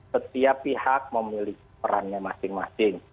setiap pihak memiliki perannya masing masing